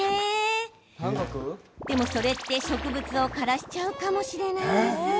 それって植物を枯らしちゃうかもしれないんです。